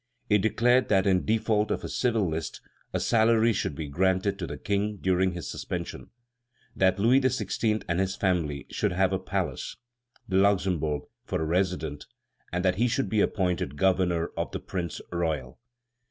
It declared that in default of a civil list, a salary should be granted to the King during his suspension; that Louis XVI. and his family should have a palace, the Luxembourg, for a residence, and that he should be appointed governor of the Prince royal.